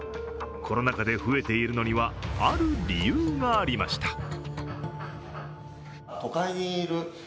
コロナ禍で増えているのにはある理由がありました。